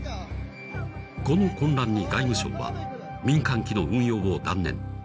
この混乱に外務省は民間機の運用を断念。